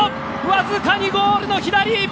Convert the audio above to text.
わずかにゴールの左！